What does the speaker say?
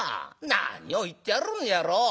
何を言ってやるんにゃろう。